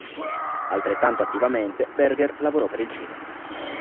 Altrettanto attivamente Berger lavorò per il cinema.